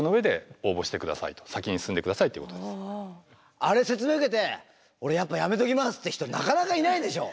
あれ説明受けて「俺やっぱやめときます」って人なかなかいないでしょう。